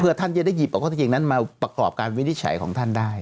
เพื่อท่านจะได้หยิบเอาข้อที่จริงนั้นมาประกอบการวินิจฉัยของท่านได้